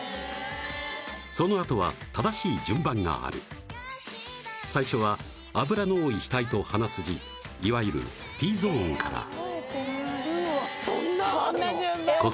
そのあとは正しい順番がある最初は脂の多い額と鼻筋いわゆるＴゾーンから覚えてないうわ